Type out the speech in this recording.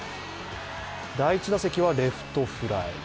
第１打席はレフトフライ。